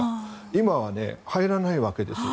今は入らないわけです。